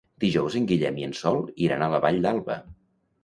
Dijous en Guillem i en Sol iran a la Vall d'Alba.